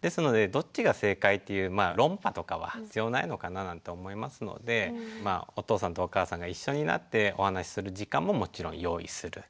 ですのでどっちが正解っていうまあ論破とかは必要ないのかななんて思いますのでお父さんとお母さんが一緒になってお話しする時間ももちろん用意する。